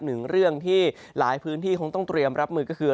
หนึ่งเรื่องที่หลายพื้นที่คงต้องเตรียมรับมือก็คือ